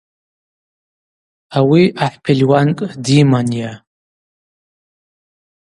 Ауи ахӏ пельуанкӏ дйыманйа.